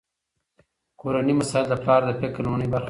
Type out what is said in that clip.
کورني مسایل د پلار د فکر لومړنۍ برخه ده.